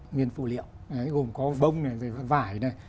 nguyên phụ liệu gồm có bông vải